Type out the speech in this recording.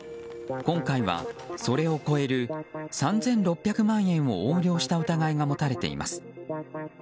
今回は、それを超える３６００万円を横領した疑いが持たれています。